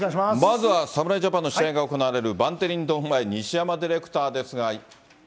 まずは侍ジャパンの試合が行われるバンテリンドーム前、西山ディレクターですが。